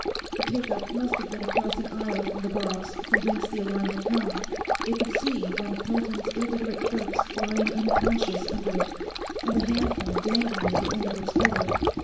The pickup must have been across an aisle from the box from whence the alarm had come; they could see one of Pelton's Illiterate clerks lying unconscious under it, and the handphone dangling at the end of its cord.